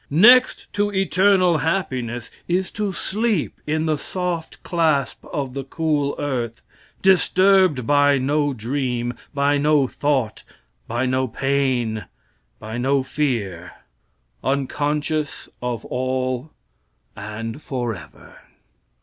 Next to eternal happiness is to sleep in the soft clasp of the cool earth, disturbed by no dream, by no thought, by no pain, by no fear, unconscious of all and forever.